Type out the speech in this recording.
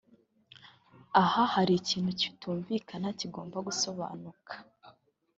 Aha hari ikintu kitumvikana kigomba gusobanuka